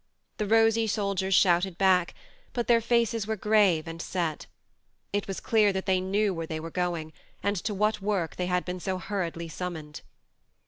The rosy soldiers shouted back, but their faces were grave and set. It was clear that they knew where they were going, and to what work they had been so hurriedly summoned.